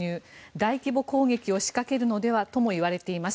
大規模攻撃を仕掛けるのではとも言われています。